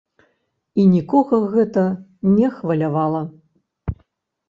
І нікога гэта не хвалявала!